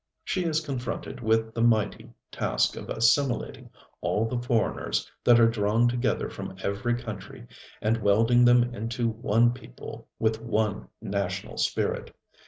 She is confronted with the mighty task of assimilating all the foreigners that are drawn together from every country, and welding them into one people with one national spirit.